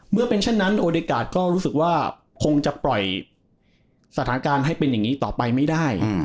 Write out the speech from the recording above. เมื่อเป็นเช่นนั้นโอเดกาสก็รู้สึกว่าคงจะปล่อยสถานการณ์ให้เป็นอย่างนี้ต่อไปไม่ได้